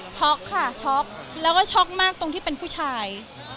ช็อกค่ะช็อกแล้วก็ช็อกมากตรงที่เป็นผู้ชาย